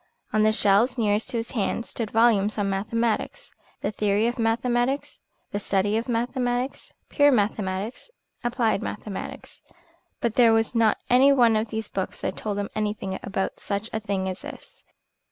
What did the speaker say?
On the shelves nearest to his hand stood volumes on mathematics, the theory of mathematics, the study of mathematics, pure mathematics, applied mathematics. But there was not any one of these books that told him anything about such a thing as this.